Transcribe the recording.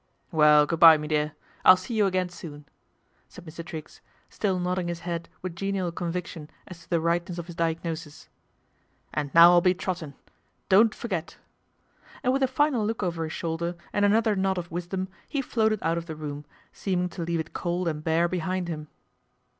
" Well, good bye, me dear. I'll see you again soon," said Mr. Triggs, still nodding his head with genial conviction as to the Tightness of his diagnosis. " And now I'll be trottin'. Don't for get," and with a final look over his shoulder and another nod of wisdom he floated out of the room, seeming to leave it cold and bare behind him.